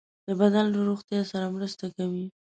د بدن له روغتیا سره مرسته کوي.